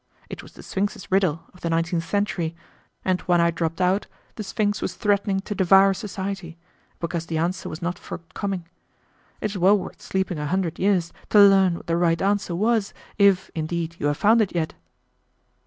It was the Sphinx's riddle of the nineteenth century, and when I dropped out the Sphinx was threatening to devour society, because the answer was not forthcoming. It is well worth sleeping a hundred years to learn what the right answer was, if, indeed, you have found it yet."